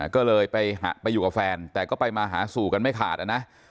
ก็เลยไปอยู่กับแฟนแต่ก็ไปมาหาสู่กันไม่ขาดนะ